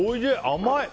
甘い！